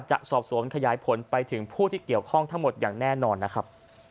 จะสอบสวนขยายผลไปถึงผู้ที่เกี่ยวข้องทั้งหมดอย่างแน่นอนนะครับ